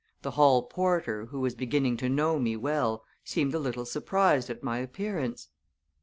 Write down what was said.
The hall porter, who was beginning to know me well, seemed a little surprised at my appearance.